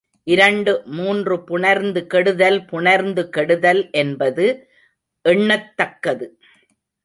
இரண்டு மூன்று புணர்ந்து கெடுதல் புணர்ந்து கெடுதல் என்பது எண்ணத்தக்கது.